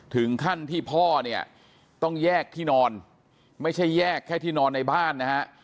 ถึงขั้นที่พ่อเนี่ยต้องแยกที่นอนไม่ใช่แยกแค่ที่นอนในบ้านนะฮะ